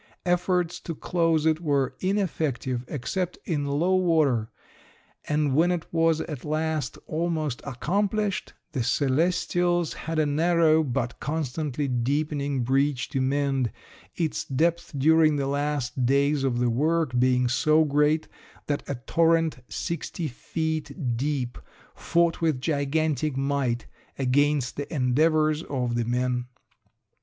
Efforts to close it were ineffective except in low water, and when it was at last almost accomplished the celestials had a narrow but constantly deepening breach to mend, its depth during the last days of the work being so great that a torrent sixty feet deep fought with gigantic might against the endeavors of the men.